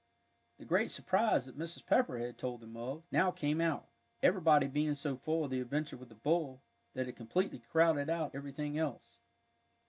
The great surprise that Mrs. Pepper had told them of, now came out, everybody being so full of the adventure with the bull, that it completely crowded out everything else.